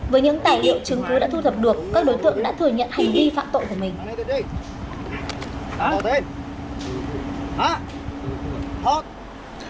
với những tài liệu chứng cứ đã thu thập được các đối tượng đã thừa nhận hành vi phạm tội của mình